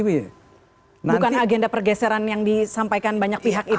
bukan agenda pergeseran yang disampaikan banyak pihak itu